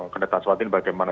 kenetan suatu ini bagaimana